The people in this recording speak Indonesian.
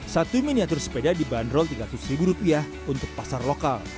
satu miniatur sepeda dibanderol rp tiga ratus ribu rupiah untuk pasar lokal